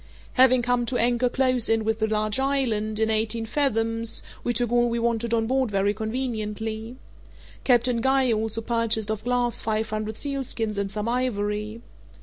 Having come to anchor close in with the large island, in eighteen fathoms, we took all we wanted on board very conveniently. Captain Guy also purchased of Glass five hundred sealskins and some ivory.